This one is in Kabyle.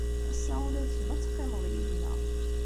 Ass-a ula d kemm ad teqqimeḍ yid-neɣ.